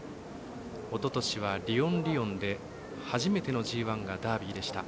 おととしはリオンリオンで初めてのＧＩがダービーでした。